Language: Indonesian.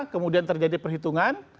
kemudian terjadi perhitungan